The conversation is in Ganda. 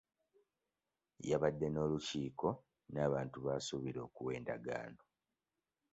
Yabadde n'olukiiko n'abantu b'asuubira okuwa endagaano.